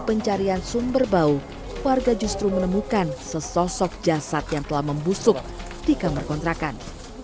pencarian sumber bau warga justru menemukan sesosok jasad yang telah membusuk di kamar kontrakan